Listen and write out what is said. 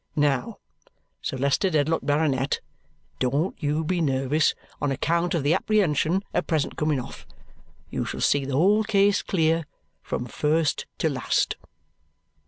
Now, Sir Leicester Dedlock, Baronet, don't you be nervous on account of the apprehension at present coming off. You shall see the whole case clear, from first to last."